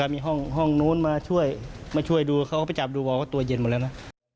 แล้วก็มีห้องนู้นมาช่วยดูเขาไปจับดูว่าตัวเย็นหมดแล้วนะ